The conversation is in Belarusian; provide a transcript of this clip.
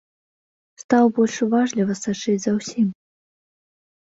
Стаў больш уважліва сачыць за ўсім.